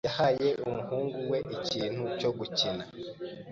yahaye umuhungu we ikintu cyo gukina.